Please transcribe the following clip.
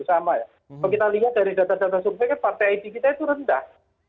kalau kita lihat dari data data subjeknya partai it kita itu rendah